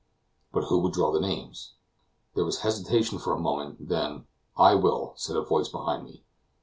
But who would draw the names? There was hesitation for a moment; then "I will," said a voice behind me.